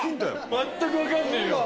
全く分かんないよ。